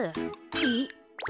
えっ！